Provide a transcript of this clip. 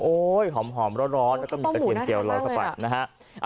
หอมร้อนแล้วก็มีกระเทียมเจียวร้อนเข้าไปนะฮะ